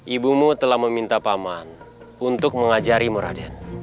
ibumu telah meminta paman untuk mengajarimu raden